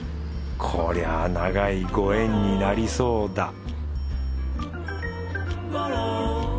こりゃあ長いご縁になりそうだ